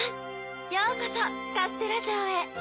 ようこそカステラじょうへ。